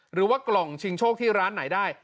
หรือว่ากล่องชิงโชคที่ร้านไหนได้